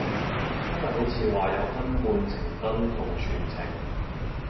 因為好似話有分半程蹲同全程